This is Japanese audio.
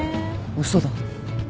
嘘だ。